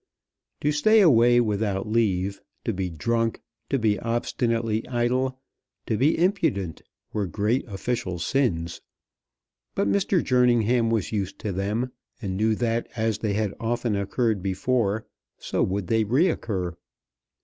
To stay away without leave, to be drunk, to be obstinately idle, to be impudent, were great official sins; but Mr. Jerningham was used to them, and knew that as they had often occurred before, so would they re occur.